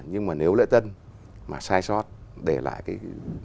nhưng mà nếu lễ tân mà sai sót để lại cái